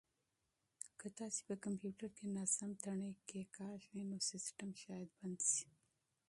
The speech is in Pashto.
که تاسي په کمپیوټر کې ناسم تڼۍ کېکاږئ نو سیسټم شاید بند شي.